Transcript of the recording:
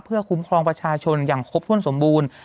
เพื่อคุ้มครองประชาชนอย่างครบถ้วนสมบูรณ์